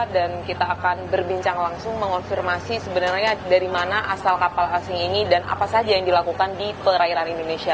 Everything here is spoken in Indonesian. dan kita akan berbincang langsung mengonfirmasi sebenarnya dari mana asal kapal asing ini dan apa saja yang dilakukan di perairan indonesia